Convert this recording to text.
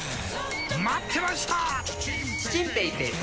待ってました！